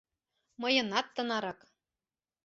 — Мыйынат тынарак.